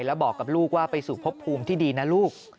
แล้วบอกกับลูกว่าไปสู่พบภูมิที่ดีนะลูก